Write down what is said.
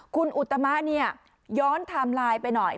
คุณอุตมะเนี่ยย้อนไทม์ไลน์ไปหน่อย